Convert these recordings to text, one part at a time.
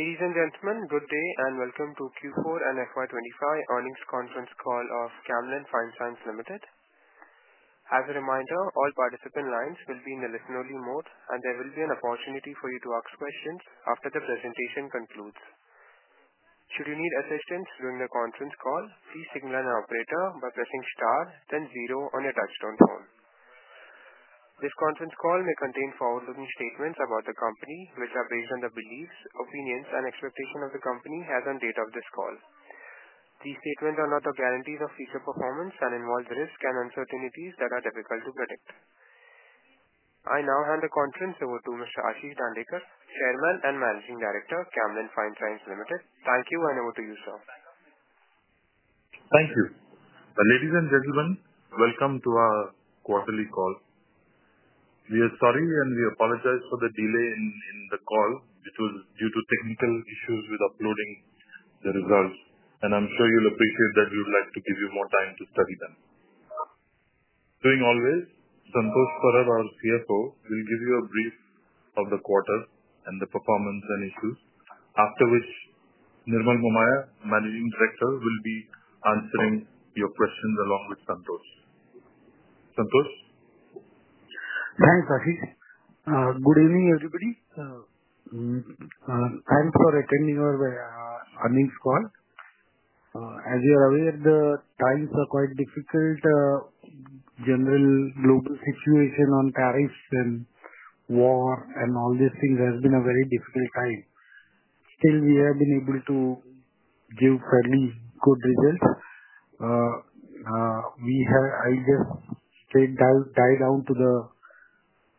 Ladies and gentlemen, good day and welcome to Q4 and FY2025 Earnings Conference Call of Camlin Fine Sciences Limited. As a reminder, all participant lines will be in the listen-only mode, and there will be an opportunity for you to ask questions after the presentation concludes. Should you need assistance during the conference call, please signal an operator by pressing star, then zero on your touchstone phone. This conference call may contain forward-looking statements about the company, which are based on the beliefs, opinions, and expectations the company has on the date of this call. These statements are not the guarantees of future performance and involve the risks and uncertainties that are difficult to predict. I now hand the conference over to Mr. Ashish Dandekar, Chairman and Managing Director of Camlin Fine Sciences Limited. Thank you, and over to you, sir. Thank you. Ladies and gentlemen, welcome to our quarterly call. We are sorry and we apologize for the delay in the call. It was due to technical issues with uploading the results, and I'm sure you'll appreciate that we would like to give you more time to study them. As always, Santosh Parab, our CFO, will give you a brief of the quarter and the performance and issues, after which Nirmal Momaya, Managing Director, will be answering your questions along with Santosh. Santosh? Thanks, Ashish. Good evening, everybody. Thanks for attending our earnings call. As you're aware, the times are quite difficult. General global situation on tariffs and war and all these things has been a very difficult time. Still, we have been able to give fairly good results. I'll just tie down to the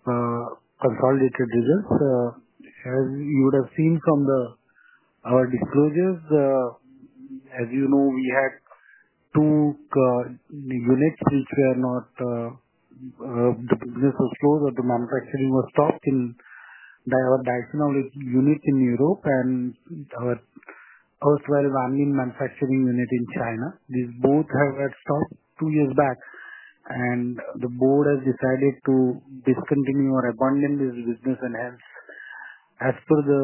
consolidated results. As you would have seen from our disclosures, as you know, we had two units which were not the business was closed or the manufacturing was stopped in our Diphenol unit in Europe and our ethyl Vanillin Manufacturing unit in China. These both have had stopped two years back, and the board has decided to discontinue or abandon this business. Hence, as per the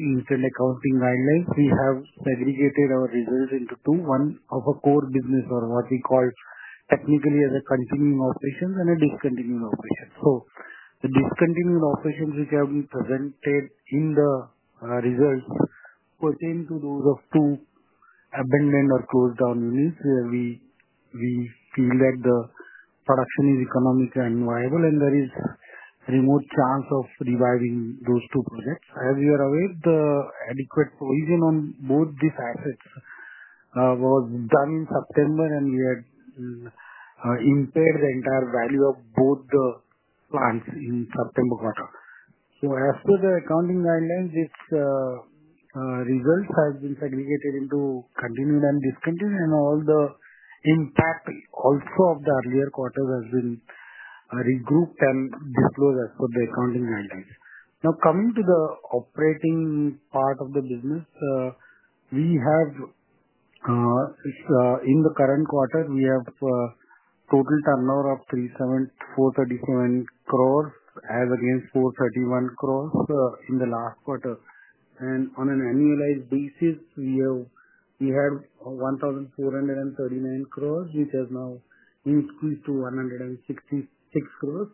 Indian Accounting Guidelines, we have segregated our results into two. One of our core business or what we call technically as a continuing operations and a discontinued operation. The discontinued operations which have been presented in the results pertain to those of two abandoned or closed down units where we feel that the production is economically unviable and there is a remote chance of reviving those two projects. As you are aware, the adequate provision on both these assets was done in September, and we had impaired the entire value of both the plants in the September quarter. As per the accounting guidelines, these results have been segregated into continued and discontinued, and all the impact also of the earlier quarters has been regrouped and disclosed as per the accounting guidelines. Now, coming to the operating part of the business, in the current quarter, we have total turnover of 437 crore as against 431 crore in the last quarter. On an annualized basis, we had 1,439 crore, which has now increased to 1,666 crore.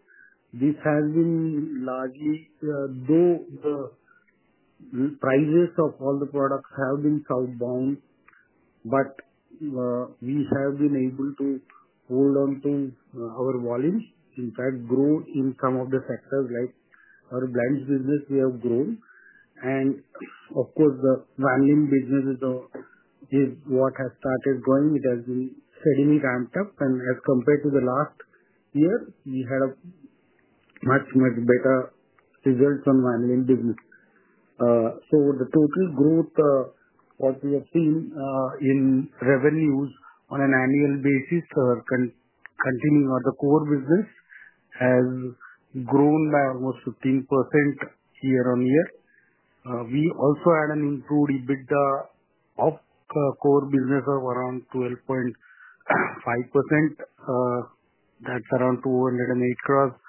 This has been largely though the prices of all the products have been southbound, but we have been able to hold on to our volumes. In fact, grow in some of the sectors like our blend business, we have grown. The vanillin business is what has started growing. It has been steadily ramped up, and as compared to the last year, we had a much, much better result on vanillin business. The total growth, what we have seen in revenues on an annual basis or continuing or the core business has grown by almost 15% year-on-year. We also had an improved EBITDA of core business of around 12.5%. That is around 208 crore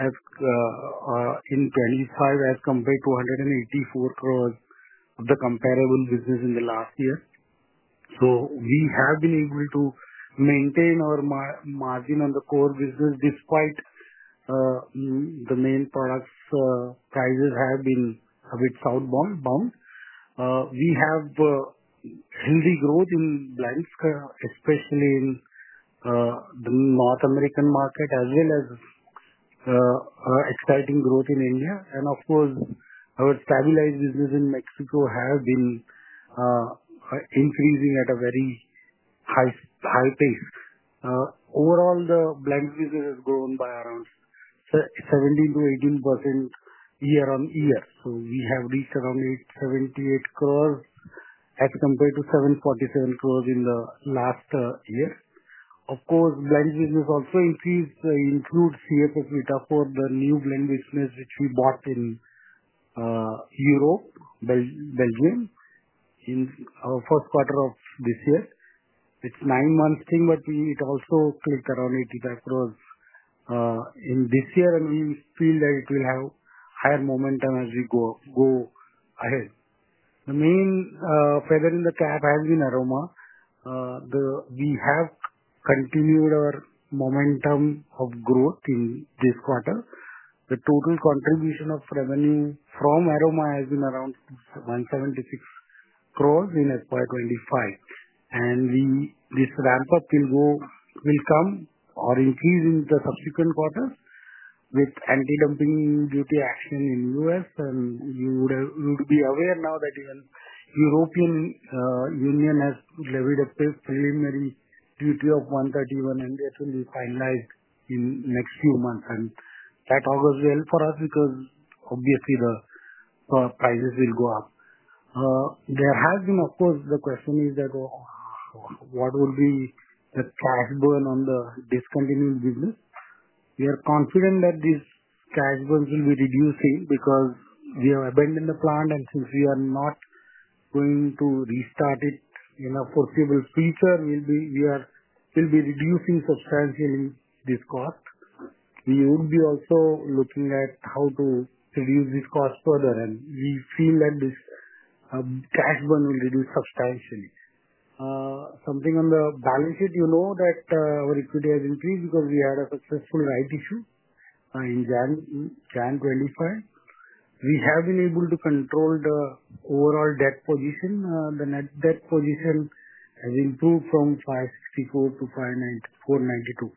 in 2025 as compared to 184 crore of the comparable business in the last year. We have been able to maintain our margin on the core business despite the main products' prices have been a bit southbound. We have healthy growth in blends, especially in the North American market, as well as exciting growth in India. Of course, our stabilized business in Mexico has been increasing at a very high pace. Overall, the blend business has grown by around 17%-18% year-on-year. We have reached around 878 crore as compared to 747 crore in the last year. Of course, blend business also includes CFS Vitafor, the new blend business which we bought in Europe, Belgium, in our first quarter of this year. It is a nine-month thing, but it also clicked around 85 crore in this year, and we feel that it will have higher momentum as we go ahead. The main feather in the cap has been Aroma. We have continued our momentum of growth in this quarter. The total contribution of revenue from Aroma has been around 176 crore in FY2025. This ramp-up will come or increase in the subsequent quarters with anti-dumping duty action in the U.S. You would be aware now that the European Union has levied a preliminary duty of 131%, and that will be finalized in the next few months. That augurs well for us because, obviously, the prices will go up. There has been, of course, the question is that what will be the cash burn on the discontinued business? We are confident that these cash burns will be reducing because we have abandoned the plant, and since we are not going to restart it in a foreseeable future, we will be reducing substantially this cost. We would be also looking at how to reduce this cost further, and we feel that this cash burn will reduce substantially. Something on the balance sheet, you know that our equity has increased because we had a successful rights issue in January 2025. We have been able to control the overall debt position. The net debt position has improved from 564 crore-592 crore.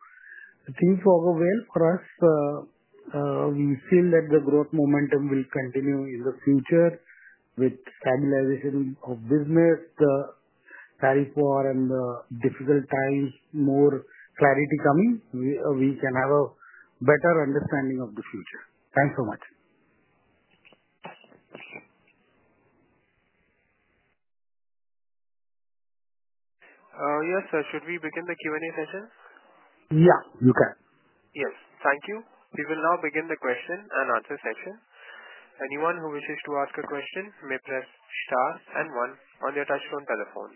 Things augur well for us. We feel that the growth momentum will continue in the future with stabilization of business, the tariff war, and the difficult times, more clarity coming. We can have a better understanding of the future. Thanks so much. Yes, sir. Should we begin the Q&A session? Yeah, you can. Yes. Thank you. We will now begin the question and answer session. Anyone who wishes to ask a question may press star and one on their touchtone telephone.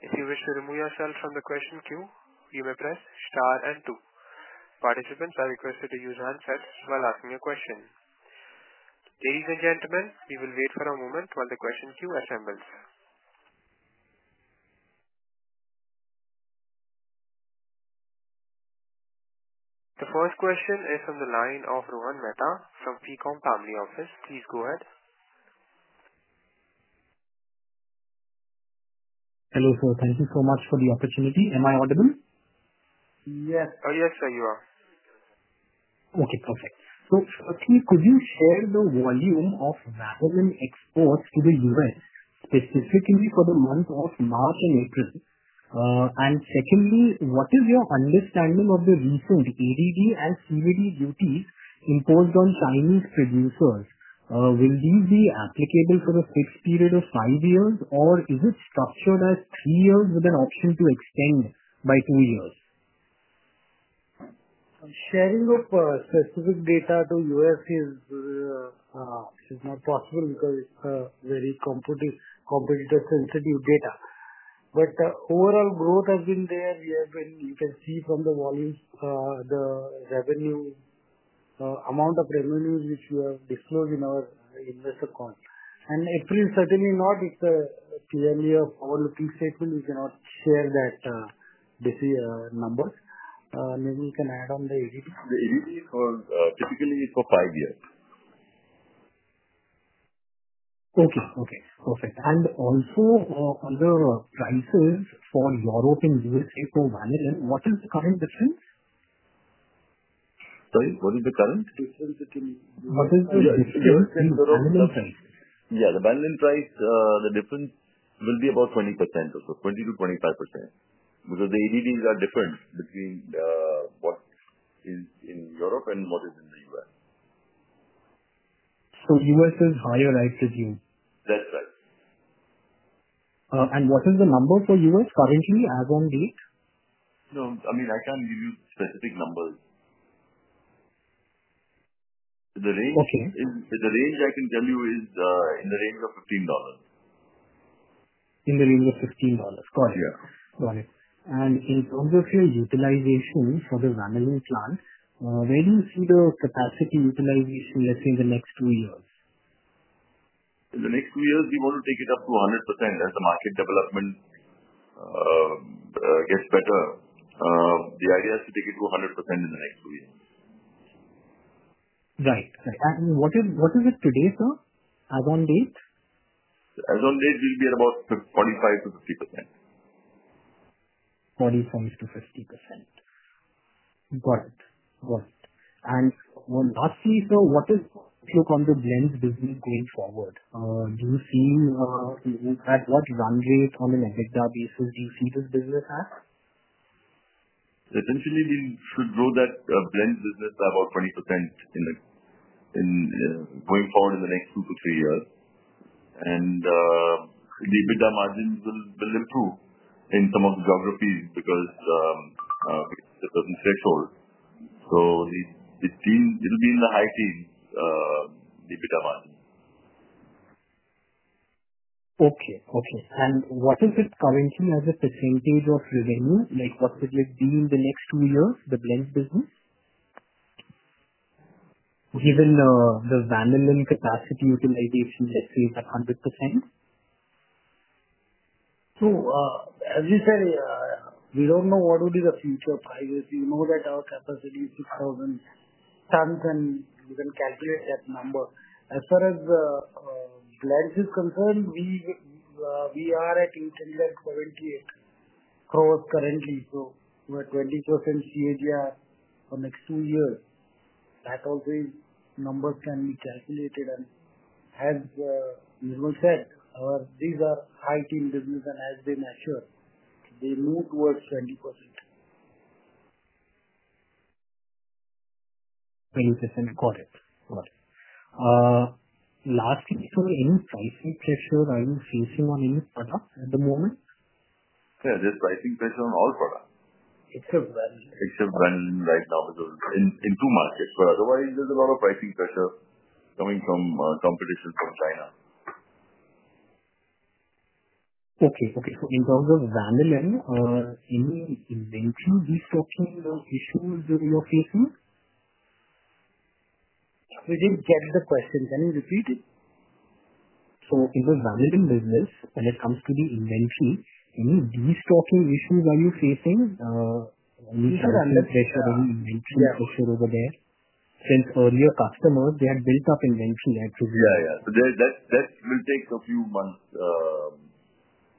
If you wish to remove yourself from the question queue, you may press star and two. Participants are requested to use handsets while asking a question. Ladies and gentlemen, we will wait for a moment while the question queue assembles. The first question is from the line of Rohan Mehta from Ficom Family Office. Please go ahead. Hello, sir. Thank you so much for the opportunity. Am I audible? Yes. Yes, sir, you are. Okay. Perfect. Firstly, could you share the volume of vanillin exports to the U.S., specifically for the month of March and April? Secondly, what is your understanding of the recent ADD and CVD duties imposed on Chinese producers? Will these be applicable for a fixed period of five years, or is it structured as three years with an option to extend by two years? Sharing of specific data to U.S. is not possible because it's very competitor-sensitive data. Overall growth has been there. You can see from the volumes, the amount of revenues which we have disclosed in our investor call. April, certainly not. It's clearly a foward-looking statement. We cannot share that numbers. Maybe you can add on the ADD. The ADD is for typically for five years. Okay. Okay. Perfect. Also, on the prices for Europe and USA for vanillin, what is the current difference? Sorry? What is the current difference between Europe and USA? What is the difference in the vanillin price? Yeah. The vanillin price, the difference will be about 20%, so 20%-25% because the ADDs are different between what is in Europe and what is in the U.S. U.S. is higher, right, to you? That's right. What is the number for U.S. currently as on date? No. I mean, I can't give you specific numbers. The range I can tell you is in the range of $15. In the range of $15. Got it. Got it. In terms of your utilization for the vanillin plant, where do you see the capacity utilization, let's say, in the next two years? In the next two years, we want to take it up to 100% as the market development gets better. The idea is to take it to 100% in the next two years. Right. What is it today, sir, as on date? As on date, we'll be at about 45%-50%. 45-50%. Got it. Got it. Lastly, sir, what is the outlook on the blend business going forward? Do you see at what run rate on an EBITDA basis do you see this business at? Potentially, we should grow that blend business by about 20% going forward in the next two to three years. The EBITDA margins will improve in some of the geographies because we hit a certain threshold. It will be in the high teens EBITDA margin. Okay. Okay. What is it currently as a percentage of revenue? What would it be in the next two years, the blend business, given the vanillin capacity utilization, let's say, is at 100%? As you said, we don't know what will be the future prices. We know that our capacity is 6,000 tons, and we can calculate that number. As far as blend is concerned, we are at 878 crore currently. We are at 20% CAGR for the next two years. That also is numbers can be calculated. As you said, these are high-teens business and have been assured. They move towards 20%. Very interesting. Got it. Got it. Lastly, sir, any pricing pressure are you facing on any products at the moment? Yeah. There's pricing pressure on all products. Except vanillin. Except vanillin right now in two markets. Otherwise, there's a lot of pricing pressure coming from competition from China. Okay. Okay. In terms of vanillin, any inventory restocking issues you're facing? We did not get the question. Can you repeat it? In the vanillin business, when it comes to the inventory, any destocking issues are you facing? Are you under pressure, any inventory pressure over there? Since earlier customers, they had built up inventory at. Yeah. Yeah. That will take a few months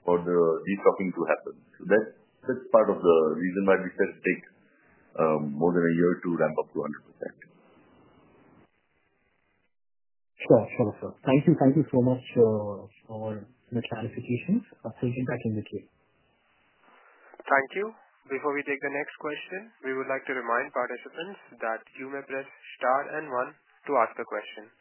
for the destocking to happen. That's part of the reason why we said it takes more than a year to ramp up to 100%. Sure. Thank you so much for the clarifications. I'll be back in the queue. Thank you. Before we take the next question, we would like to remind participants that you may press star and one to ask a question.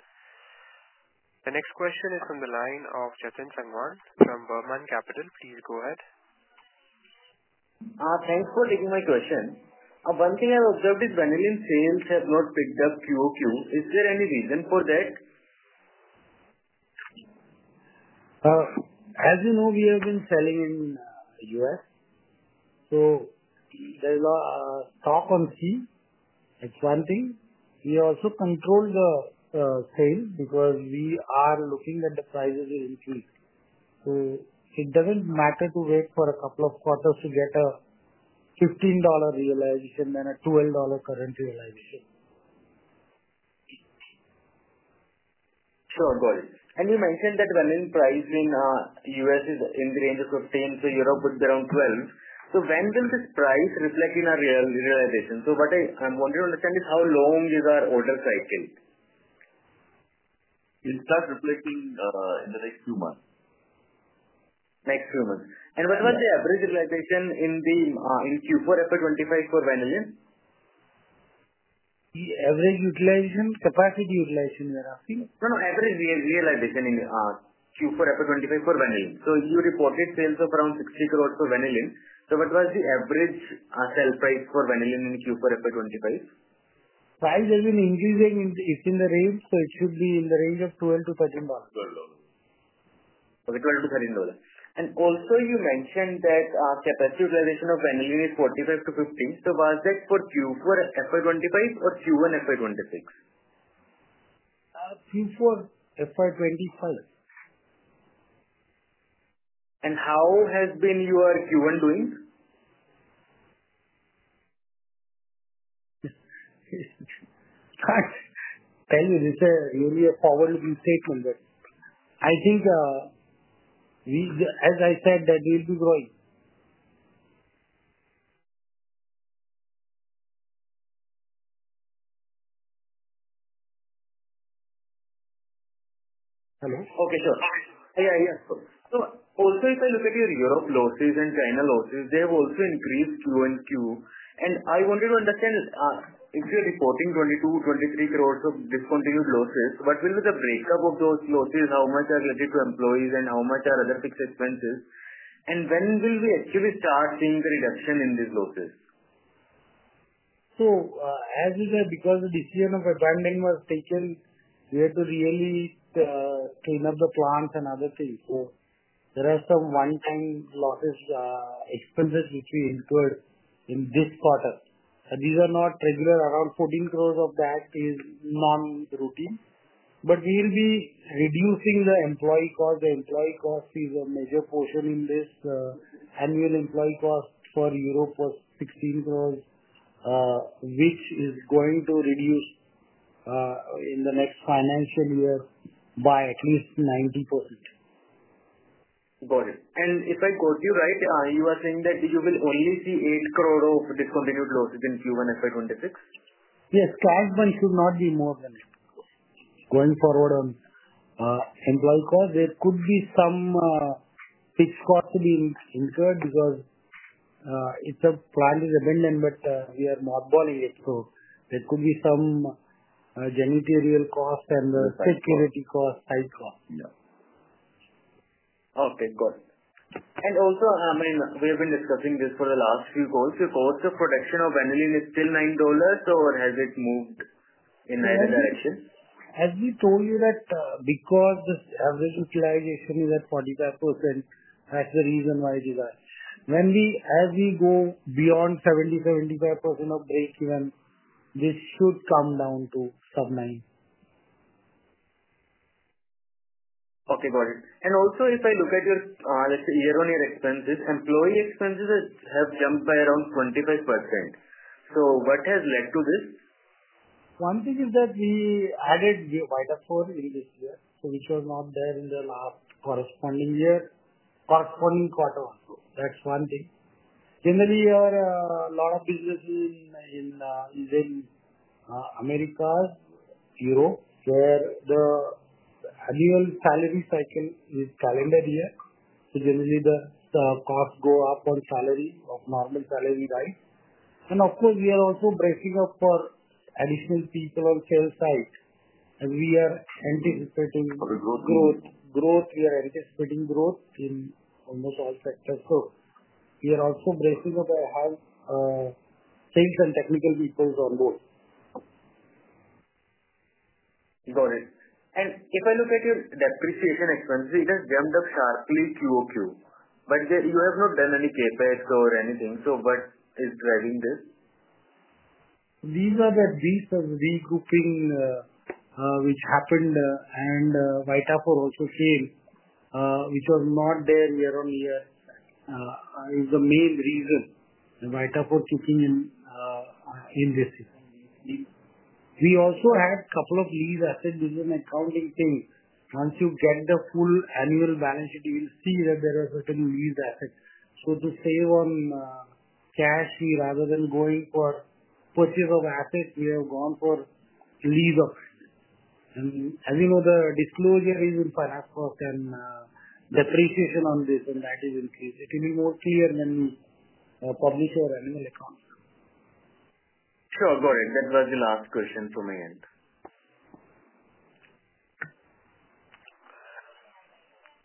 The next question is from the line of Jatin Sangwan from Burman Capital. Please go ahead. Thanks for taking my question. One thing I've observed is vanillin sales have not picked up Q-o-Q. Is there any reason for that? As you know, we have been selling in the U.S. So there's a stock on sea. That's one thing. We also control the sales because we are looking that the prices will increase. So it doesn't matter to wait for a couple of quarters to get a $15 realization and a $12 current realization. Sure. Got it. You mentioned that vanillin price in U.S. is in the range of $15, so Europe would be around $12. When will this price reflect in our realization? What I want to understand is how long is our order cycle? It starts reflecting in the next few months. Next few months. What was the average utilization in Q4 FY2025 for vanillin? The average utilization? Capacity utilization, you are asking? No, no. Average realization in Q4 FY2025 for vanillin. So you reported sales of around 60 crore for vanillin. What was the average sell price for vanillin in Q4 FY2025? Price has been increasing. It's in the range, so it should be in the range of $12-$13. $12. Okay. $12 to $13. And also, you mentioned that capacity utilization of vanillin is 45-50%. So was that for Q4 FY2025 or Q1 FY2026? Q4 FY2025. How has been your Q1 doing? Tell you, this is really a forward-looking statement, but I think, as I said, that we'll be growing. Hello? Okay. Sure. Yeah. Yeah. Also, if I look at your Europe losses and China losses, they have also increased Q-on-Q. I wanted to understand, if you are reporting 22 crore-23 crore of discontinued losses, what will be the breakup of those losses? How much are related to employees and how much are other fixed expenses? When will we actually start seeing the reduction in these losses? As you said, because the decision of abandonment was taken, we had to really clean up the plants and other things. There are some one-time losses and expenses which we incurred in this quarter. These are not regular. Around 14 crore of that is non-routine. We will be reducing the employee cost. The employee cost is a major portion in this. Annual employee cost for Europe was 16 crore, which is going to reduce in the next financial year by at least 90%. Got it. If I caught you right, you were saying that you will only see 8 crore of discontinued losses in Q1 FY2026? Yes. Cash burn should not be more than it. Going forward on employee cost, there could be some fixed costs to be incurred because the plant is abandoned, but we are mothballing it. There could be some janitorial cost and security cost, site cost. Yeah. Okay. Got it. Also, I mean, we have been discussing this for the last few calls. The cost of production of vanillin is still $9, or has it moved in either direction? As we told you that because the average utilization is at 45%, that's the reason why it is high. As we go beyond 70-75% of breakeven, this should come down to sub-$9. Okay. Got it. Also, if I look at your, let's say, year-on-year expenses, employee expenses have jumped by around 25%. What has led to this? One thing is that we added Vitafor in this year, which was not there in the last corresponding quarter. That is one thing. Generally, a lot of businesses in America, Europe, where the annual salary cycle is calendar year, so generally, the costs go up on salary, normal salary rise. Of course, we are also bracing up for additional people on sales side. We are anticipating growth. For the growth? Growth. We are anticipating growth in almost all sectors. We are also bracing up. I have sales and technical people on board. Got it. If I look at your depreciation expenses, it has jumped up sharply Q-o-Q. You have not done any CapEx or anything. What is driving this? These are the big regrouping which happened, and Vitafor also came, which was not there year-on-year, is the main reason Vitafor chipping in this year. We also had a couple of lease asset business accounting things. Once you get the full annual balance sheet, you will see that there are certain lease assets. To save on cash, rather than going for purchase of assets, we have gone for lease of assets. As you know, the disclosure is in Finance Proc and depreciation on this, and that is increased. It will be more clear when we publish our annual account. Sure. Got it. That was the last question from my end.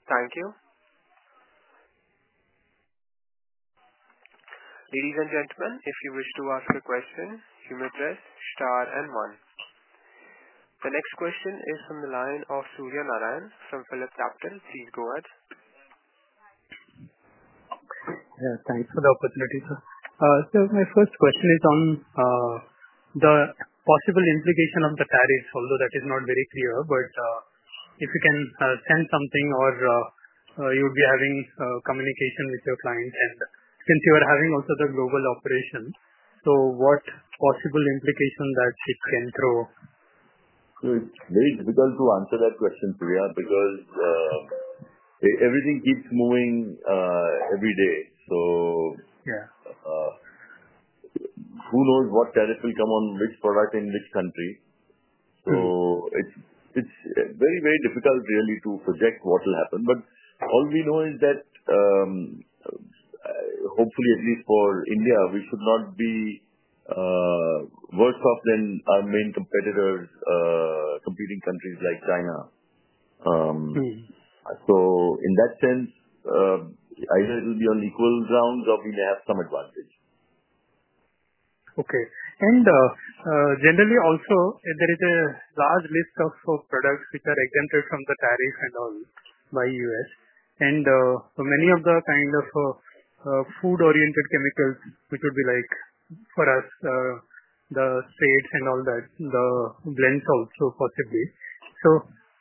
Thank you. Ladies and gentlemen, if you wish to ask a question, you may press star and one. The next question is from the line of Surya Narayan from PhilipCapital. Please go ahead. Yeah. Thanks for the opportunity, sir. My first question is on the possible implication of the tariffs, although that is not very clear. If you can send something or you would be having communication with your clients, and since you are also having the global operation, what possible implication can that throw? It's very difficult to answer that question, Surya, because everything keeps moving every day. Who knows what tariff will come on which product in which country? It's very, very difficult, really, to project what will happen. All we know is that, hopefully, at least for India, we should not be worse off than our main competitors, competing countries like China. In that sense, either it will be on equal grounds or we may have some advantage. Okay. And generally, also, there is a large list of products which are exempted from the tariff and all by the U.S. And many of the kind of food-oriented chemicals, which would be like for us, the spades and all that, the blend salts, so possibly. So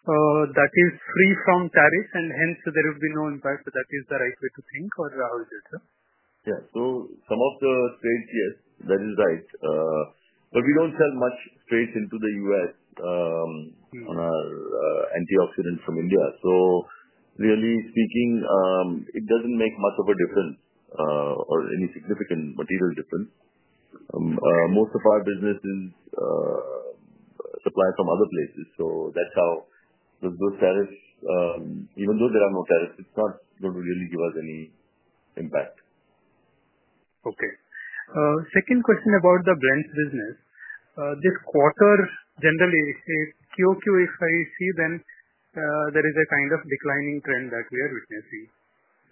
that is free from tariffs, and hence, there would be no impact. So that is the right way to think, or how is it, sir? Yeah. Some of the spades, yes, that is right. We do not sell much spades into the U.S. on our antioxidants from India. Really speaking, it does not make much of a difference or any significant material difference. Most of our business is supplied from other places. That is how those tariffs, even though there are no tariffs, are not going to really give us any impact. Okay. Second question about the blend business. This quarter, generally, Q-o-Q, if I see, then there is a kind of declining trend that we are witnessing.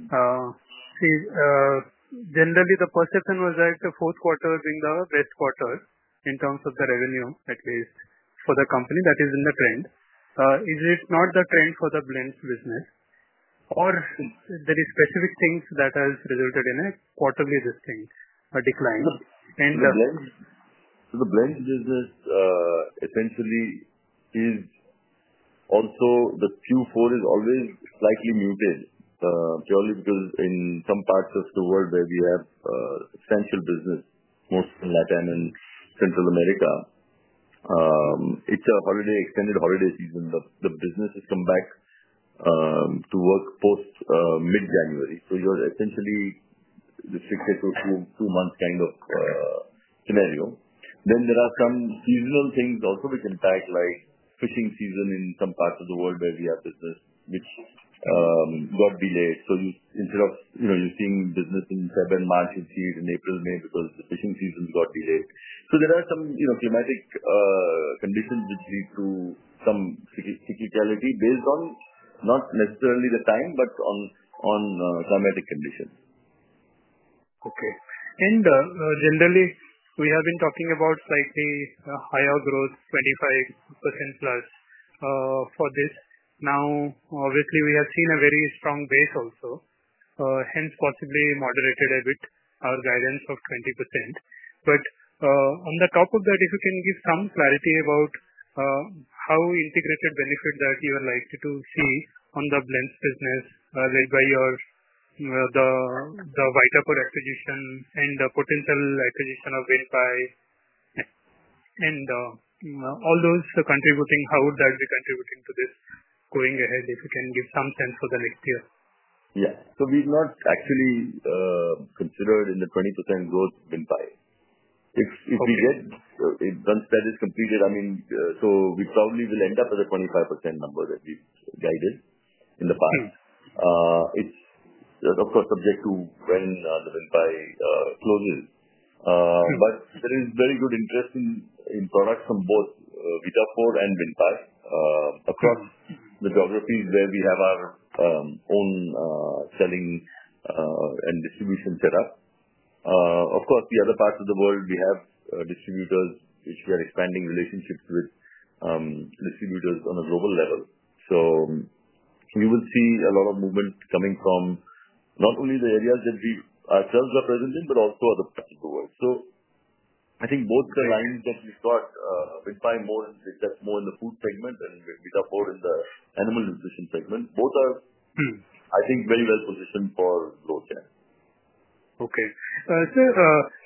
Generally, the perception was that the fourth quarter being the best quarter in terms of the revenue, at least for the company. That is in the trend. Is it not the trend for the blend business? Or are there specific things that have resulted in a quarterly decline? The blend business essentially is also the Q4 is always slightly muted purely because in some parts of the world where we have substantial business, mostly in Latin and Central America, it is a holiday, extended holiday season. The businesses come back to work post mid-January. You are essentially restricted to a two-month kind of scenario. There are some seasonal things also which impact, like fishing season in some parts of the world where we have business which got delayed. Instead of you seeing business in February and March, you see it in April, May because the fishing season got delayed. There are some climatic conditions which lead to some cyclicality based on not necessarily the time, but on climatic conditions. Okay. Generally, we have been talking about slightly higher growth, 25%+ for this. Now, obviously, we have seen a very strong base also, hence possibly moderated a bit our guidance of 20%. On top of that, if you can give some clarity about how integrated benefit that you would like to see on the blend business led by the Vitafor acquisition and the potential acquisition of Vinpai and all those contributing, how would that be contributing to this going ahead if you can give some sense for the next year? Yeah. So we've not actually considered in the 20% growth, Vinpai. If we get, once that is completed, I mean, so we probably will end up at a 25% number that we guided in the past. It's, of course, subject to when the Vinpai closes. There is very good interest in products from both Vitafor and Vinpai across the geographies where we have our own selling and distribution set up. Of course, the other parts of the world, we have distributors which we are expanding relationships with distributors on a global level. You will see a lot of movement coming from not only the areas that we ourselves are present in, but also other parts of the world. I think both the lines that we've got, Vinpai more and that's more in the food segment and Vitafor in the animal nutrition segment, both are, I think, very well positioned for growth here. Okay.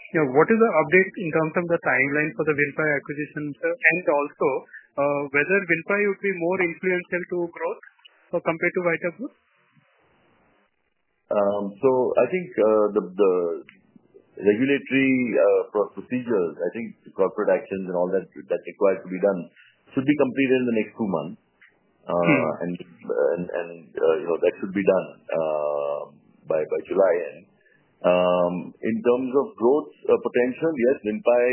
What is the update in terms of the timeline for the Vinpai acquisition, sir? Also, whether Vinpai would be more influential to growth compared to Vitafor? I think the regulatory procedures, I think the corporate actions and all that required to be done should be completed in the next two months. That should be done by July. In terms of growth potential, yes, Vinpai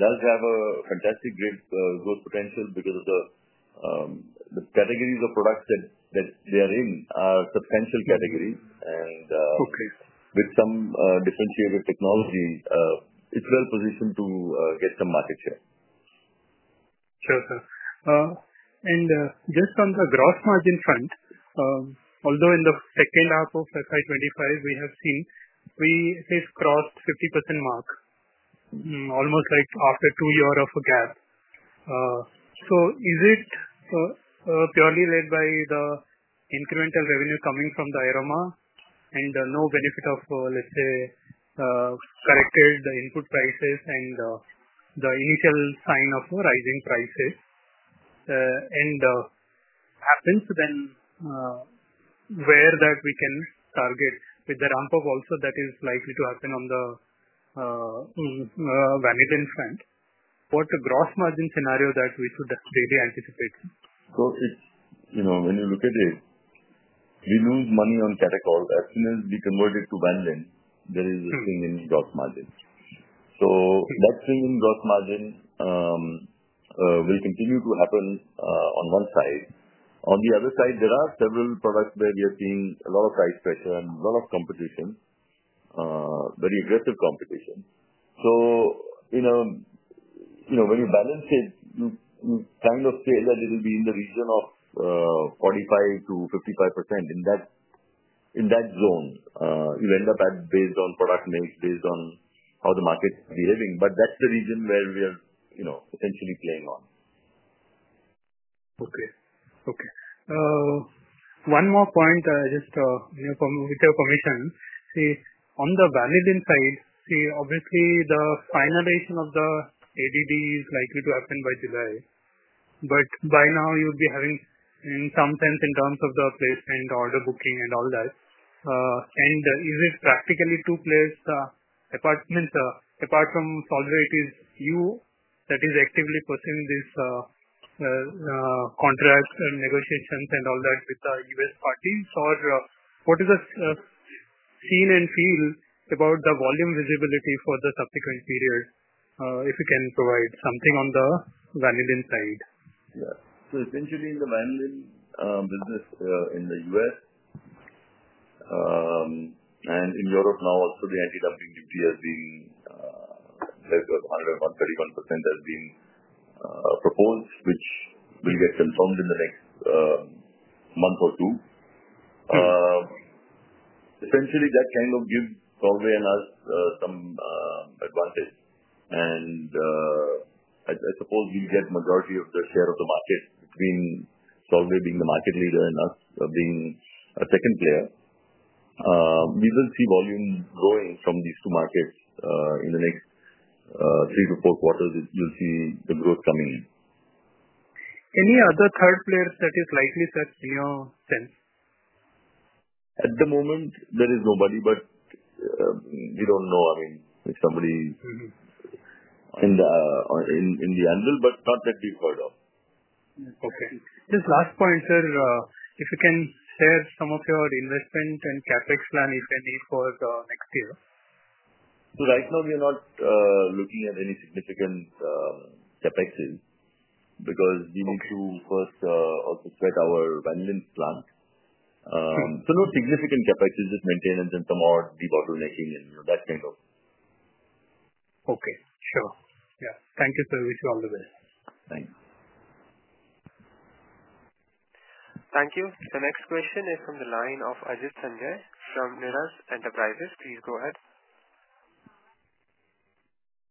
does have a fantastic growth potential because the categories of products that they are in are substantial categories. With some differentiated technology, it's well positioned to get some market share. Sure, sir. Just on the gross margin front, although in the second half of FY2025, we have seen we have crossed the 50% mark, almost like after two years of a gap. Is it purely led by the incremental revenue coming from the Aroma and no benefit of, let's say, corrected the input prices and the initial sign of rising prices? What happens then where that we can target with the ramp-up also that is likely to happen on the vanillin front? What gross margin scenario should we really anticipate? When you look at it, we lose money on Catechol. As soon as we convert it to vanillin, there is a swing in gross margin. That swing in gross margin will continue to happen on one side. On the other side, there are several products where we are seeing a lot of price pressure and a lot of competition, very aggressive competition. When you balance it, you kind of say that it will be in the region of 45-55%. In that zone, you end up based on product make, based on how the market is behaving. That's the region where we are essentially playing on. Okay. Okay. One more point, just with your permission. See, on the vanillin side, obviously, the finalization of the ADD is likely to happen by July. By now, you would be having, in some sense, in terms of the placement, order booking, and all that. Is it practical to place, apart from Solvay, is it you that is actively pursuing these contract negotiations and all that with the U.S. parties? What is the scene and feel about the volume visibility for the subsequent period, if you can provide something on the vanillin side? Yeah. Essentially, in the vanillin business in the U.S. and in Europe now, also the anti-dumping duty has been 131% has been proposed, which will get confirmed in the next month or two. Essentially, that kind of gives Solvay and us some advantage. I suppose we'll get majority of the share of the market between Solvay being the market leader and us being a second player. We will see volume growing from these two markets in the next three to four quarters. You'll see the growth coming in. Any other third players that is likely such in your sense? At the moment, there is nobody, but we don't know, I mean, if somebody is in the anvil, but not that we've heard of. Okay. Just last point, sir, if you can share some of your investment and CapEx plan, if any, for the next year. Right now, we are not looking at any significant CapEx because we need to first also set our vanillin plant. No significant CapEx, just maintenance and some more debottlenecking and that kind of. Okay. Sure. Yeah. Thank you, sir. Wish you all the best. Thanks. Thank you. The next question is from the line of Ajit Sanjay from Nirzar Enterprises. Please go ahead.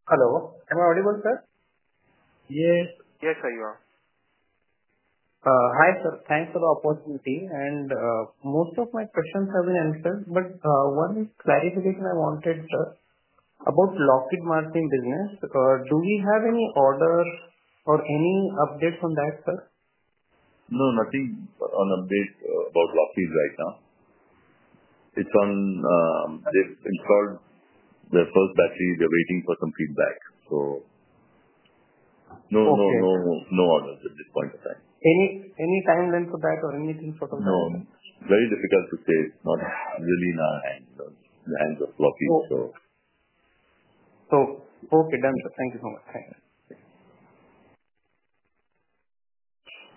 Hello. Am I audible, sir? Yes. Yes, sir, you are. Hi, sir. Thanks for the opportunity. Most of my questions have been answered, but one clarification I wanted, sir, about Lockheed Martin business. Do we have any orders or any updates on that, sir? No, nothing on update about Lockheed right now. It's on, they've installed their first battery. They're waiting for some feedback. No, no orders at this point in time. Any timeline for that or anything sort of that? No, very difficult to say. It's not really in our hands. The hands of Lockheed, so. Okay. Done, sir. Thank you so much. Thanks.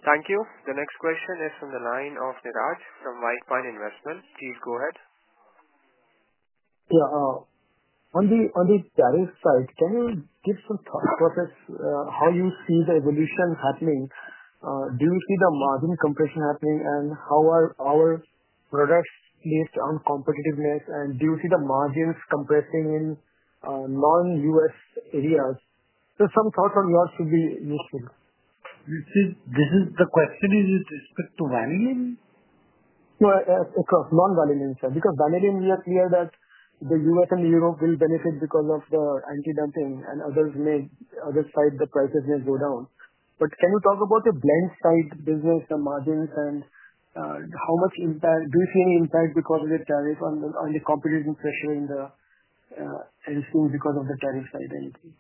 Thank you. The next question is from the line of Niraj from White Pine Investment. Please go ahead. Yeah. On the tariff side, can you give some thoughts on how you see the evolution happening? Do you see the margin compression happening? How are our products based on competitiveness? Do you see the margins compressing in non-U.S. areas? Some thoughts on yours would be useful. Is this question in respect to vanillin? No, across non-vanillin, sir. Because vanillin, we are clear that the U.S. and Europe will benefit because of the anti-dumping and others may, other side, the prices may go down. Can you talk about the blend side business, the margins, and how much impact, do you see any impact because of the tariff on the competition pressure in the anything because of the tariff side, anything?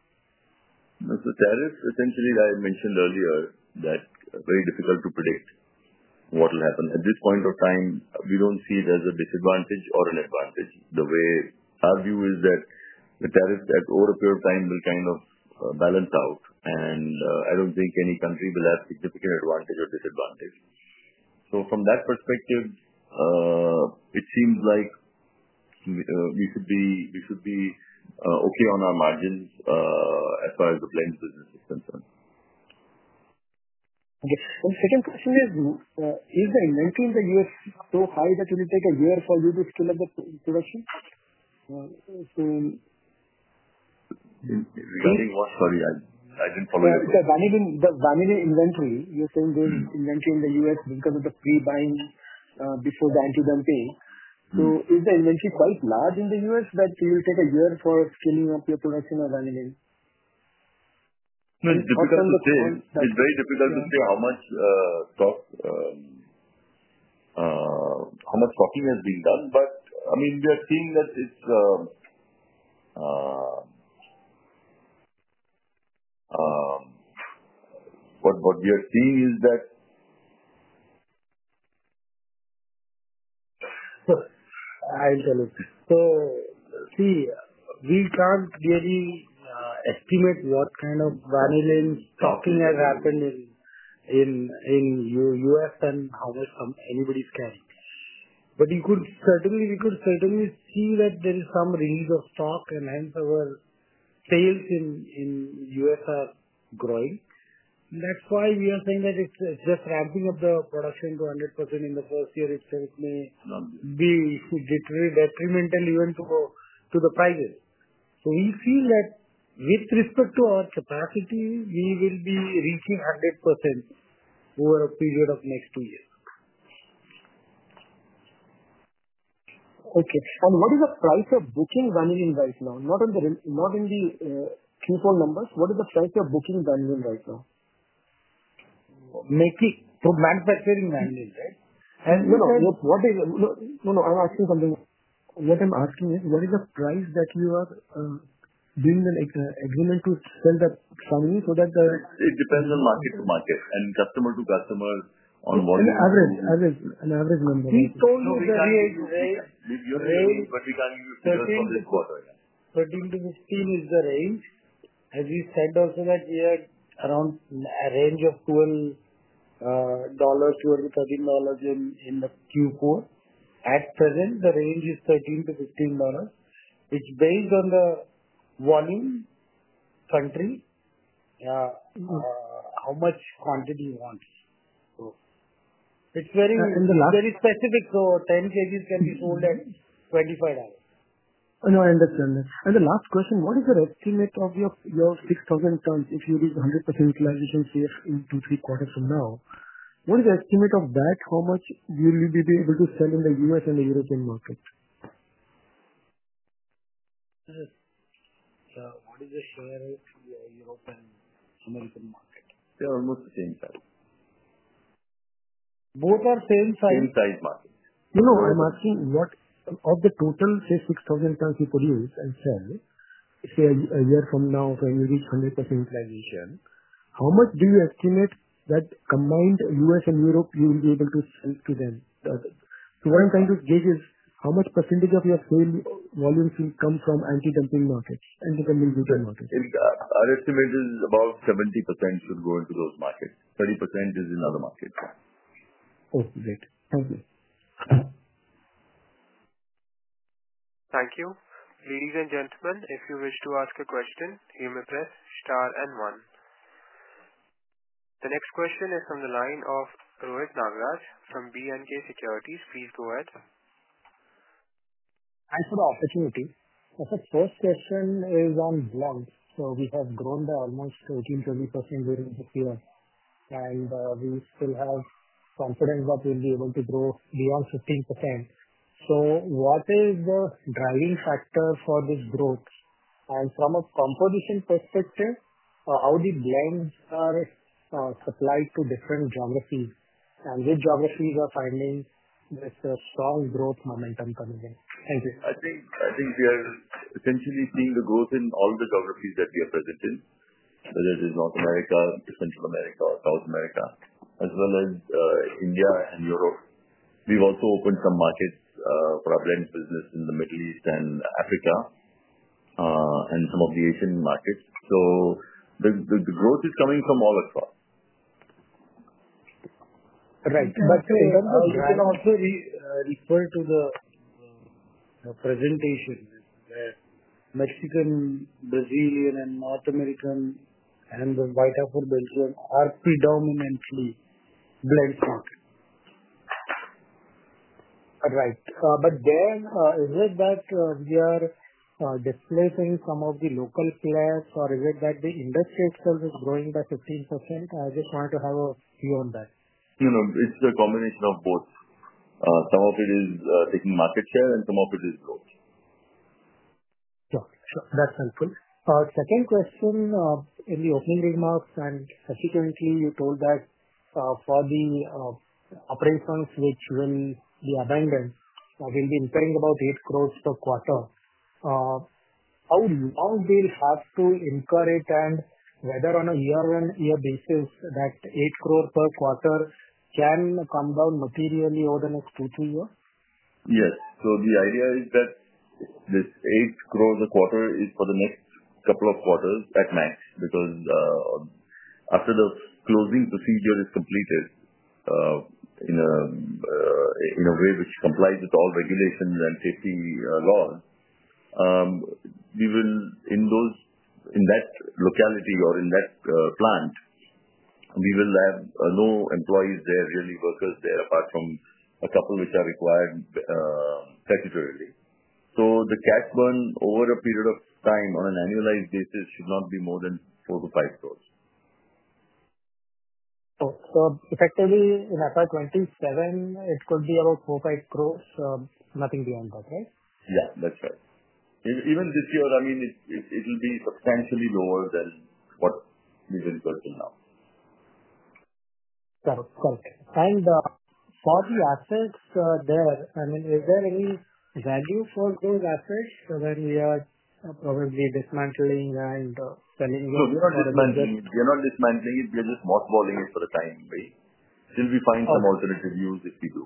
The tariff, essentially, I mentioned earlier that very difficult to predict what will happen. At this point of time, we do not see it as a disadvantage or an advantage. The way our view is that the tariffs over a period of time will kind of balance out. I do not think any country will have significant advantage or disadvantage. From that perspective, it seems like we should be okay on our margins as far as the blend business is concerned. Okay. Second question is, is the inventory in the U.S. so high that it will take a year for you to scale up the production? Regarding what? Sorry, I didn't follow your question. The vanillin inventory, you're saying there's inventory in the U.S. because of the pre-buying before the anti-dumping. Is the inventory quite large in the U.S. that it will take a year for scaling up your production of vanillin? It's difficult to say. It's very difficult to say how much stocking has been done. I mean, what we are seeing is that. Sir, I'll tell you. See, we can't really estimate what kind of vanillin stocking has happened in the U.S. and how much anybody's carrying. We could certainly see that there is some release of stock and hence our sales in the U.S. are growing. That's why we are saying that it's just ramping up the production to 100% in the first year. It may be detrimental even to the prices. We feel that with respect to our capacity, we will be reaching 100% over a period of the next two years. Okay. What is the price of booking vanillin right now? Not in the Q4 numbers. What is the price of booking vanillin right now? To manufacturing vanillin, right? What is? No, no. I'm asking something. What I'm asking is, what is the price that you are doing an agreement to sell the vanillin so that the? It depends on market to market and customer to customer on what you're doing. An average. An average number. We told you the range. But we can't give you figures from this quarter yet. 1$3-$15 is the range. As we said also that we had around a range of $12-$13 in the Q4. At present, the range is $13-$15. It's based on the volume, country, how much quantity you want. So it's very specific. So 10 kg can be sold at $25. No, I understand that. The last question, what is the estimate of your 6,000 tons if you do the 100% utilization in two, three quarters from now? What is the estimate of that? How much will you be able to sell in the U.S. and the European market? What is the share of the European and American market? They're almost the same size. Both are same size? Same size market. No, no. I'm asking what of the total, say, 6,000 tons you produce and sell, say, a year from now, when you reach 100% utilization, how much do you estimate that combined U.S. and Europe you will be able to sell to them? What I'm trying to gauge is how much percentage of your sale volume will come from anti-dumping markets, anti-dumping retail markets? Our estimate is about 70% should go into those markets. 30% is in other markets. Okay. Great. Thank you. Thank you. Ladies and gentlemen, if you wish to ask a question, you may press star and one. The next question is from the line of Rohit Nagraj from B&K Securities. Please go ahead. Thanks for the opportunity. First question is on blends. We have grown by almost 18%-20% during this year. We still have confidence that we'll be able to grow beyond 15%. What is the driving factor for this growth? From a composition perspective, how are the blends supplied to different geographies? Which geographies are finding this strong growth momentum coming in? Thank you. I think we are essentially seeing the growth in all the geographies that we are present in, whether it is North America, Central America, or South America, as well as India and Europe. We've also opened some markets for our blend business in the Middle East and Africa and some of the Asian markets. The growth is coming from all across. Right. In terms of, we can also refer to the presentation where Mexican, Brazilian, and North American, and the Vitafor Belgium are predominantly blend market. Right. Is it that we are displacing some of the local players? Or is it that the industry itself is growing by 15%? I just wanted to have a view on that. No, no. It's a combination of both. Some of it is taking market share and some of it is growth. Sure. Sure. That's helpful. Second question, in the opening remarks and subsequently, you told that for the operating funds, which will be abandoned, will be incurring about 8 crore per quarter. How long will you have to incur it and whether on a year-on-year basis that 8 crore per quarter can come down materially over the next two, three years? Yes. The idea is that this 8 crore a quarter is for the next couple of quarters at max because after the closing procedure is completed in a way which complies with all regulations and safety laws, in that locality or in that plant, we will have no employees there, really workers there, apart from a couple which are required statutorily. The cash burn over a period of time on an annualized basis should not be more than 4 crore-5 crore. Effectively, in FY2027, it could be about 4 crore-5 crore, nothing beyond that, right? Yeah. That's right. Even this year, I mean, it will be substantially lower than what we've been working on. Correct. Correct. And for the assets there, I mean, is there any value for those assets when we are probably dismantling and selling? We are not dismantling it. We are not dismantling it. We are just mothballing it for a time, right? Still, we find some alternative use if we do.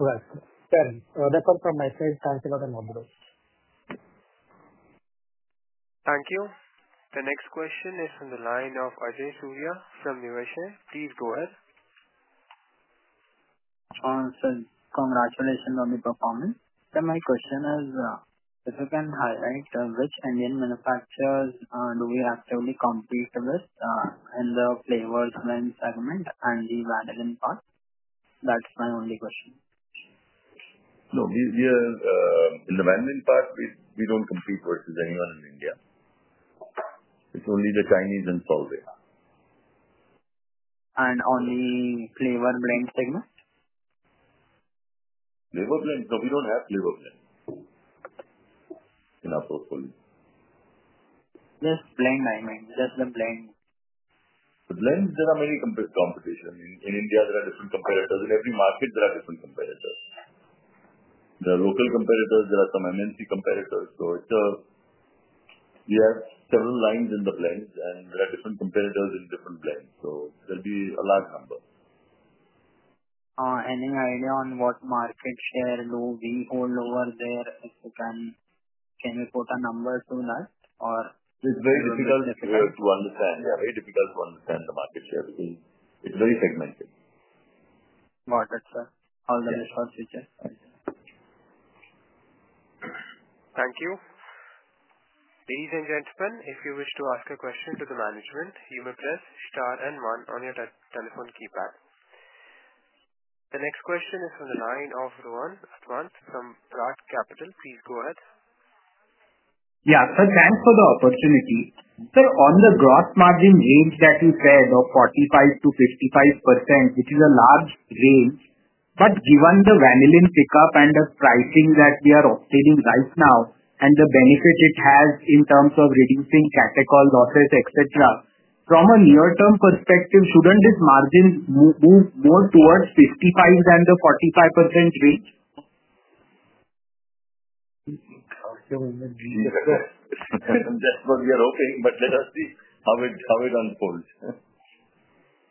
Right. Fair enough. That's all from my side, thanks a lot and all the best. Thank you. The next question is from the line of Ajay Surya from Niveshaay. Please go ahead. Sir, congratulations on the performance. My question is, if you can highlight which Indian manufacturers do we actively compete with in the flavors, blend segment, and the vanillin part? That's my only question. No, in the vanillin part, we don't compete versus anyone in India. It's only the Chinese and Solvay. On the flavor blend segment? Flavor blend? No, we don't have flavor blend in our portfolio. Just blend, I mean. Just the blend. The blends, there are many competitions. In India, there are different competitors. In every market, there are different competitors. There are local competitors. There are some MNC competitors. We have several lines in the blends, and there are different competitors in different blends. There'll be a large number. Any idea on what market share do we hold over there? Can you put a number to that? Or is it difficult to understand? It's very difficult to understand. Yeah, very difficult to understand the market share because it's very segmented. Got it, sir. All the best for future. Thank you. Ladies and gentlemen, if you wish to ask a question to the management, you may press star and one on your telephone keypad. The next question is from the line of Rohan Advant from Prad Capital. Please go ahead. Yeah. Sir, thanks for the opportunity. Sir, on the gross margin range that you said of 45%-55%, which is a large range, but given the vanillin pickup and the pricing that we are obtaining right now and the benefit it has in terms of reducing catechol losses, etc., from a near-term perspective, shouldn't this margin move more towards 55% than the 45% range? I'll tell you in the near term. That's what we are hoping. Let us see how it unfolds.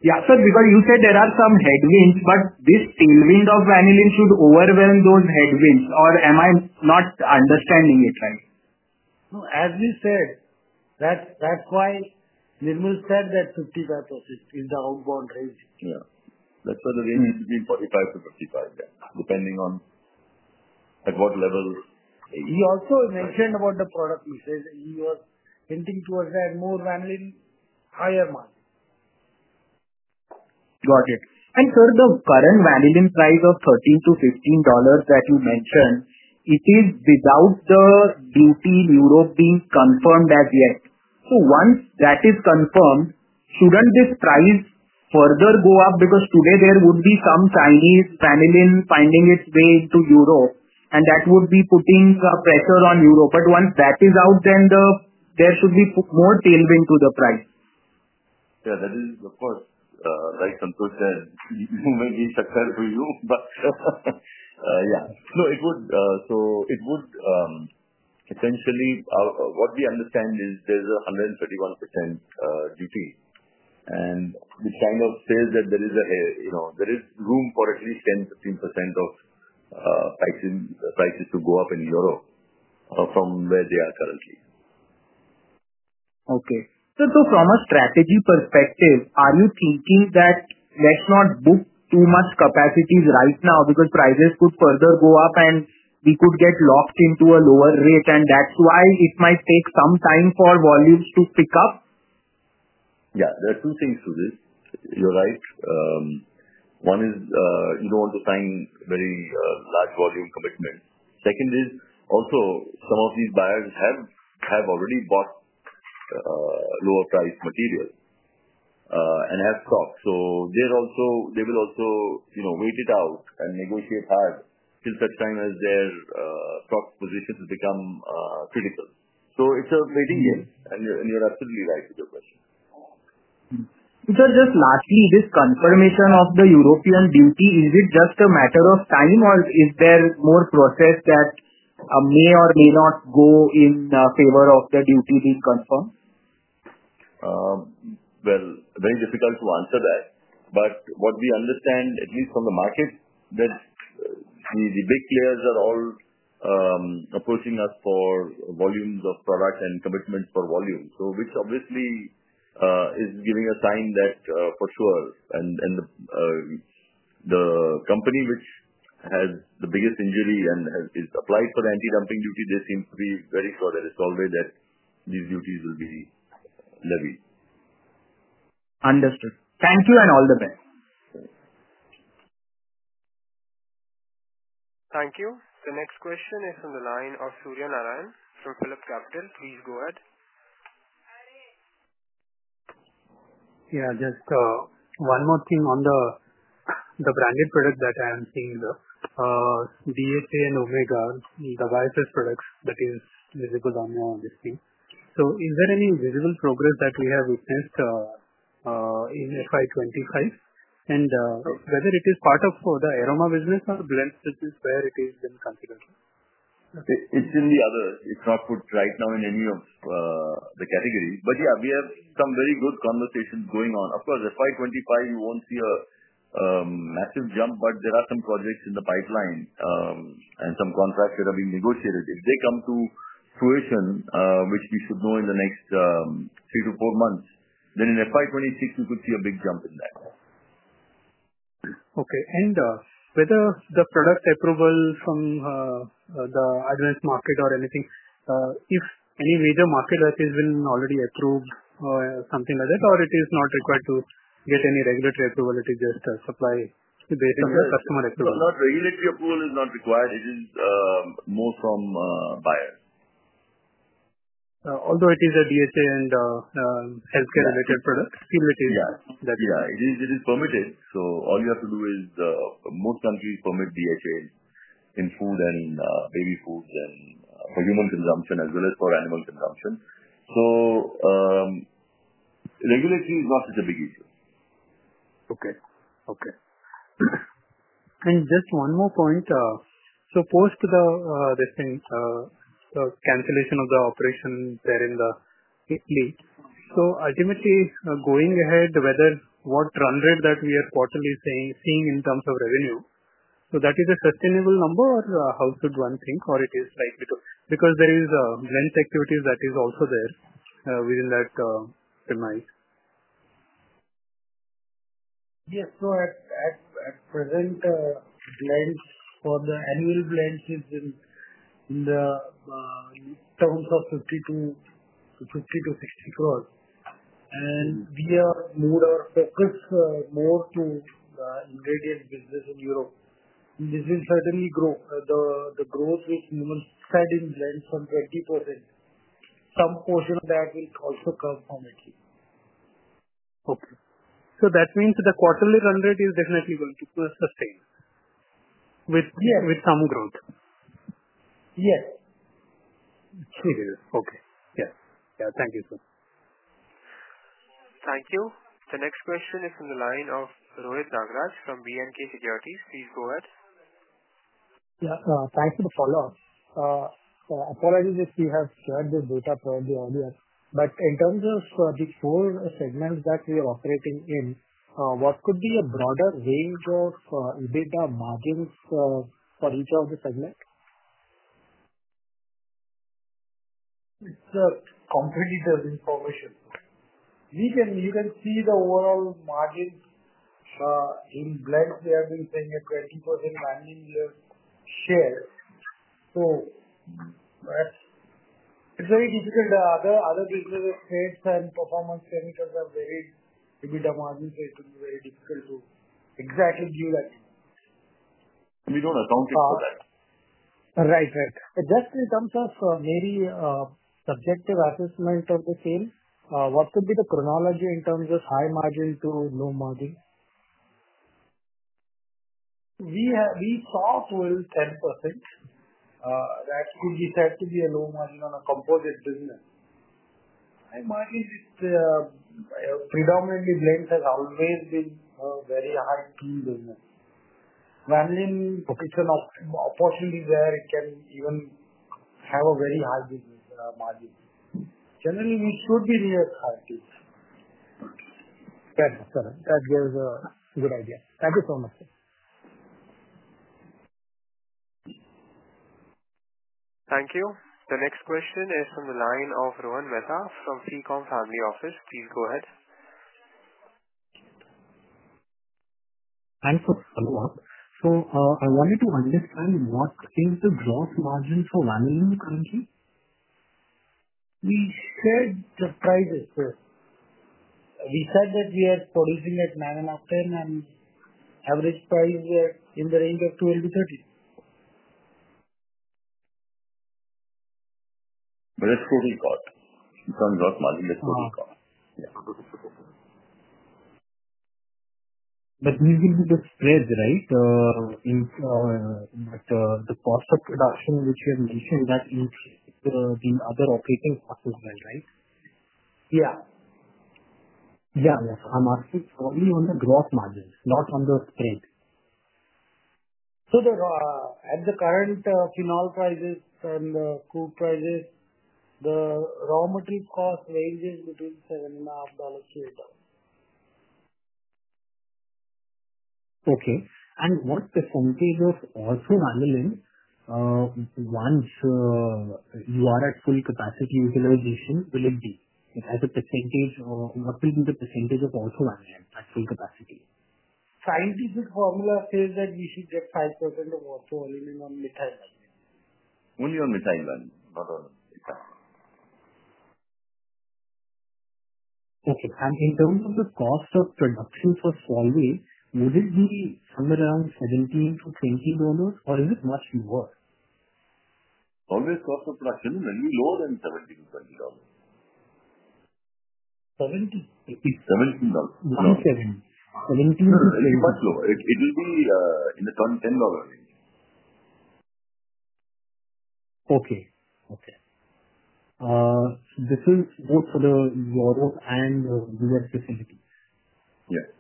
Yeah. Sir, because you said there are some headwinds, but this tailwind of vanillin should overwhelm those headwinds. Or am I not understanding it right? No, as we said, that's why Nirmal said that 55% is the outbound range. Yeah. That's why the range is between 45-55%, yeah, depending on at what level. He also mentioned about the product, he says. He was hinting towards that more vanillin, higher market. Got it. Sir, the current vanillin price of $13-$15 that you mentioned, it is without the duty in Europe being confirmed as yet. Once that is confirmed, should not this price further go up? Because today, there would be some Chinese vanillin finding its way into Europe, and that would be putting pressure on Europe. Once that is out, there should be more tailwind to the price. Yeah. That is, of course, like Santosh said, you may be a surprise to you, but yeah. No, it would. It would essentially, what we understand is there's a 131% duty. It kind of says that there is room for at least 10%-15% of prices to go up in Europe from where they are currently. Okay. Sir, so from a strategy perspective, are you thinking that let's not book too much capacity right now because prices could further go up and we could get locked into a lower rate? That is why it might take some time for volumes to pick up? Yeah. There are two things to this. You're right. One is you don't want to sign very large volume commitments. Second is also some of these buyers have already bought lower-priced material and have stock. They will also wait it out and negotiate hard till such time as their stock positions become critical. It is a waiting game. You're absolutely right with your question. Sir, just lastly, this confirmation of the European duty, is it just a matter of time or is there more process that may or may not go in favor of the duty being confirmed? Very difficult to answer that. What we understand, at least from the market, is that the big players are all approaching us for volumes of product and commitments for volume, which obviously is giving a sign that for sure. The company which has the biggest injury and has applied for anti-dumping duty, they seem to be very sure that it's always that these duties will be levied. Understood. Thank you and all the best. Thank you. The next question is from the line of Surya Narayan from PhilipCapital. Please go ahead. Yeah. Just one more thing on the branded product that I am seeing, the DHA and Omega, the YSS products that is visible on this thing. Is there any visible progress that we have witnessed in FY 2025? And whether it is part of the aroma business or blend business, where is it being considered? It's in the other. It's not put right now in any of the categories. Yeah, we have some very good conversations going on. Of course, FY2025, you won't see a massive jump, but there are some projects in the pipeline and some contracts that are being negotiated. If they come to fruition, which we should know in the next three to four months, in FY2026, we could see a big jump in that. Okay. Whether the product approval from the advanced market or anything, if any major market that has been already approved or something like that, or it is not required to get any regulatory approval, it is just supply based on the customer approval? Regulatory approval is not required. It is more from buyers. Although it is a DHA and healthcare-related product, still it is that. Yeah. It is permitted. All you have to do is most countries permit DHA in food and baby foods and for human consumption as well as for animal consumption. Regulatory is not such a big issue. Okay. Okay. Just one more point. Post the cancellation of the operation there in Italy, ultimately going ahead, whether what run rate that we are quarterly seeing in terms of revenue, is that a sustainable number or how should one think or is it likely to? Because there is blend activity that is also there within that demand. Yes. At present, blend for the annual blend is in the terms of 50 crore-60 crore. We have moved our focus more to the ingredient business in Europe. This will certainly grow. The growth which Nirmal said in blend from 20%, some portion of that will also come from Italy. Okay. So that means the quarterly run rate is definitely going to sustain with some growth? Yes. It is. Okay. Yes. Yeah. Thank you, sir. Thank you. The next question is from the line of Rohit Nagraj from B&K Securities. Please go ahead. Yeah. Thanks for the follow-up. Apologies if we have shared this data probably earlier. But in terms of the four segments that we are operating in, what could be a broader range of EBITDA margins for each of the segments? It's a competitor information. You can see the overall margin in blend. We have been seeing a 20% vanillin share. So it's very difficult. Other businesses' rates and performance parameters are varied. EBITDA margins are very difficult to exactly give that. We don't account for that. Right. Right. Just in terms of maybe subjective assessment of the same, what could be the chronology in terms of high margin to low margin? We saw 12%, 10%. That could be said to be a low margin on a composite business. High margin, predominantly blend has always been a very high-key business. Vanillin, it's an opportunity where it can even have a very high margin. Generally, we should be reassured. Fair enough, sir. That gives a good idea. Thank you so much, sir. Thank you. The next question is from the line of Rohan Mehta from Ficom Family Office. Please go ahead. Thanks for the follow-up. I wanted to understand what is the gross margin for vanillin currently? We shared the prices, sir. We said that we are producing at $9.5-$10, and average price is in the range of $12-$13. But it is total cost. In terms of margin, that's total cost. Yeah. These will be the spreads, right? The cost of production, which you have mentioned, that includes the other operating costs as well, right? Yeah. Yeah. I'm asking only on the gross margins, not on the spread. At the current phenol prices and the crude prices, the raw material cost ranges between $7.50-$8. Okay. What percentage of ortho-vanillin once you are at full capacity utilization will it be? As a percentage, what will be the percentage of ortho-vanillin at full capacity? Scientific formula says that we should get 5% of ortho-vanillin on methyl vanillin. Only on methyl vanillin, not on ethyl. Okay. In terms of the cost of production for Solvay, would it be somewhere around $17-$20, or is it much lower? Solvay's cost of production is only lower than $17-$20. $17? $17. $17. It's much lower. It will be in the $10 range. Okay. Okay. This is both for the Europe and U.S. facilities. Yes.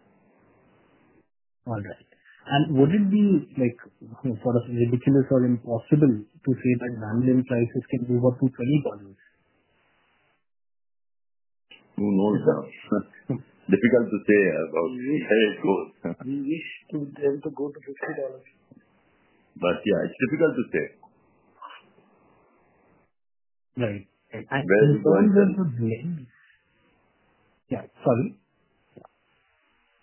All right. Would it be sort of ridiculous or impossible to say that vanillin prices can move up to $20? Who knows? Difficult to say about where it goes. We wish to be able to go to $50. Yeah, it's difficult to say. Right. In terms of the blend. Where it will go and settle. Yeah. Sorry?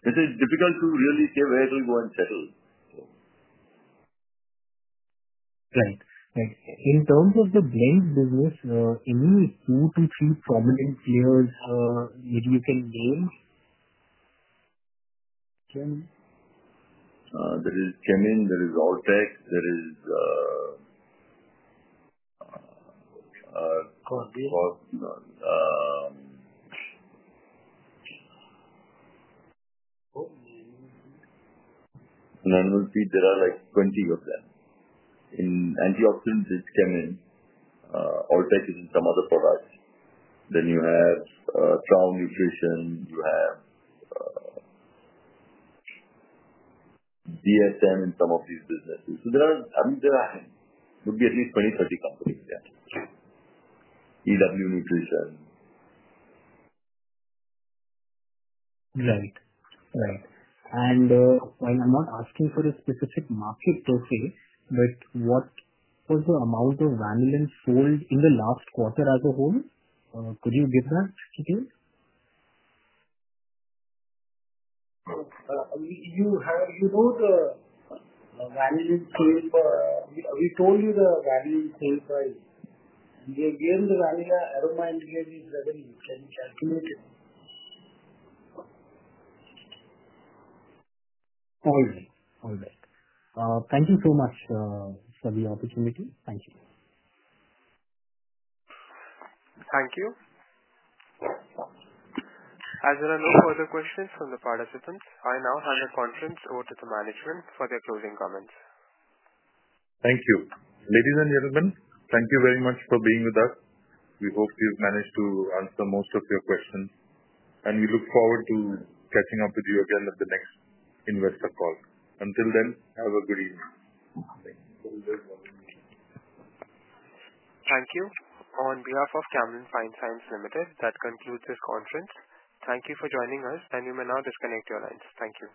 It is difficult to really say where it will go and settle. Right. Right. In terms of the blend business, any two to three prominent players that you can name? There is Kemin. There is Alltech. There is. Animal feed. There are like 20 of them. In antioxidants, it's Kemin. Alltech is in some other products. Then you have Trouw Nutrition. You have GSM in some of these businesses. I mean, there would be at least 20-30 companies, yeah. EW Nutrition. Right. Right. While I'm not asking for a specific market per se, what was the amount of vanillin sold in the last quarter as a whole? Could you give that detail? You know the vanillin sale. We told you the vanillin sale price. Again, the vanilla aroma ingredients revenue can be calculated. All right. All right. Thank you so much for the opportunity. Thank you. Thank you. As there are no further questions from the participants, I now hand the conference over to the management for their closing comments. Thank you. Ladies and gentlemen, thank you very much for being with us. We hope we've managed to answer most of your questions. We look forward to catching up with you again at the next investor call. Until then, have a good evening. Thank you. On behalf of Camlin Fine Sciences Limited, that concludes this conference. Thank you for joining us, and you may now disconnect your lines. Thank you.